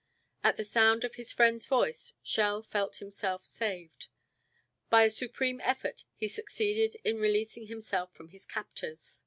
At the sound of his friend's voice Schell felt himself saved. By a supreme effort he succeeded in releasing himself from his captors.